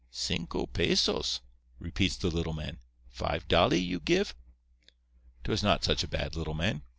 "'Cinco pesos,' repeats the little man. 'Five dollee, you give?' "'Twas not such a bad little man.